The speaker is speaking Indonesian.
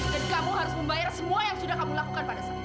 dan kamu harus membayar semua yang sudah kamu lakukan pada saat ini